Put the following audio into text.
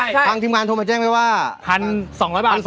ใช่ค่ะทีมงานโทรมาเจ้งไหมว่า